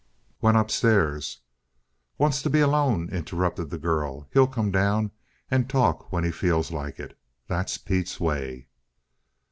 "Went upstairs." "Wants to be alone," interrupted the girl. "He'll come down and talk when he feels like it. That's Pete's way."